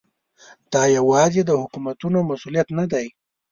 دا یوازې د حکومتونو مسؤلیت نه دی.